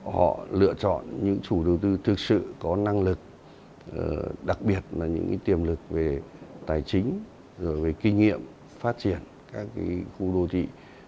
họ lựa chọn những chủ đầu tư thực sự có năng lực đặc biệt là những tiềm lực về tài chính rồi về kinh nghiệm phát triển các khu đô thị